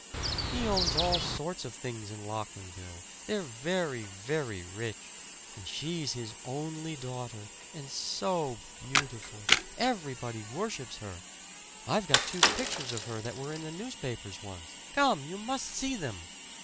"He owns all sorts of things in Lockmanville. They're very, very rich. And she's his only daughter, and so beautiful everybody worships her. I've got two pictures of her that were in the newspapers once. Come you must see them."